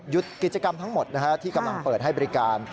กิจกรรมทั้งหมดที่กำลังเปิดให้บริการ